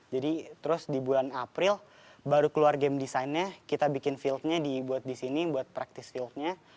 jadi terus di bulan april baru keluar game designnya kita bikin fieldnya buat disini buat practice fieldnya